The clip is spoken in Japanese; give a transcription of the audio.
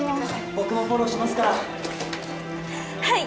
僕もフォローしますからはい！